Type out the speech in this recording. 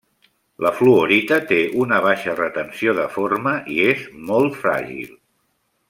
La fluorita té una baixa retenció de forma i és molt fràgil.